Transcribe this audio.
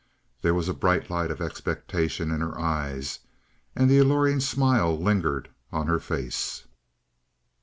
There was a bright light of expectation in her eyes, and the alluring smile lingered on her face.